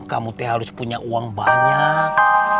kamu harus punya uang banyak